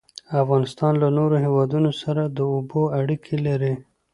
افغانستان له نورو هیوادونو سره د اوبو اړیکې لري.